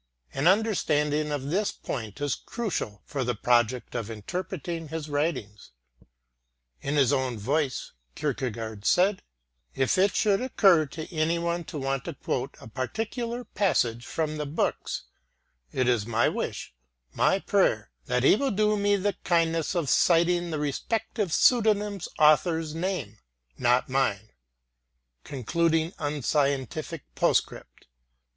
An understanding of this point is crucial for the project of interpreting his writings. In his own voice, Kierkegaard said, "if it should occur to anyone to want to quote a particular passage from the books, it is my wish, my prayer, that he will do me the kindness of citing the respective pseudonymous author's name, not mine" (CUP, 627).